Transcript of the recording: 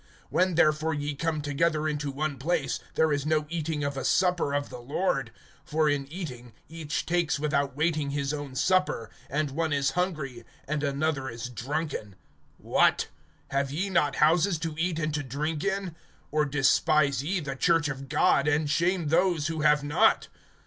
(20)When therefore ye come together into one place, there is no eating of a supper of the Lord[11:20]. (21)For in eating, each takes without waiting his own supper; and one is hungry, and another is drunken. (22)What! have ye not houses to eat and to drink in? Or despise ye the church of God, and shame those who have not?